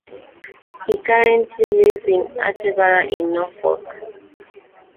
He currently lives in Attleborough in Norfolk.